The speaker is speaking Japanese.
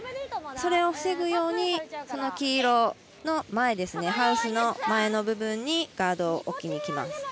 それを防ぐように黄色の前ハウスの前の部分にガードを置きにきます。